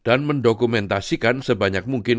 dan mendokumentasikan sebanyak mungkin